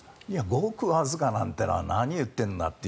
ごくわずかなんていうのは何を言っているんだと。